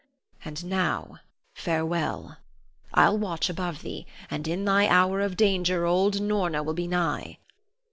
And now, farewell. I'll watch above thee, and in thy hour of danger old Norna will be nigh.